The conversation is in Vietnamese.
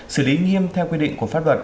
xử lý nghiêm theo quy định của pháp luật